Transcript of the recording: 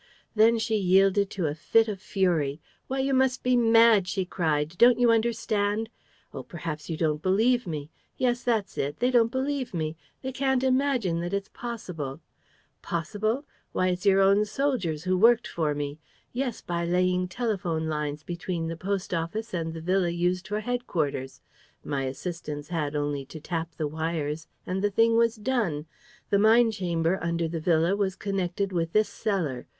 Then she yielded to a fit of fury: "Why, you must be mad!" she cried. "Don't you understand? Oh, perhaps you don't believe me? Yes, that's it, they don't believe me! They can't imagine that it's possible! Possible? Why, it's your own soldiers who worked for me! Yes, by laying telephone lines between the post office and the villa used for head quarters! My assistants had only to tap the wires and the thing was done: the mine chamber Under the villa was connected with this cellar.